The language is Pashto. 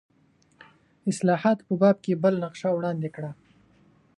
اصلاحاتو په باب بله نقشه وړاندې کړه.